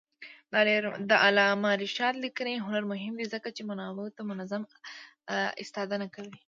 د علامه رشاد لیکنی هنر مهم دی ځکه چې منابعو ته منظم استناد کوي.